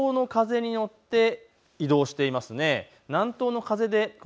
これ、南東の風に乗って移動しています。